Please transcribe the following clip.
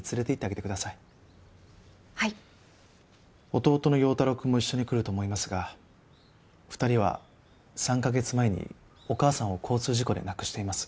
弟の陽太郎くんも一緒に来ると思いますが２人は３カ月前にお母さんを交通事故で亡くしています。